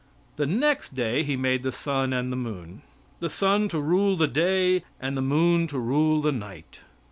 The next day he made the sun and moon the sun to rule the day and the moon to rule the night.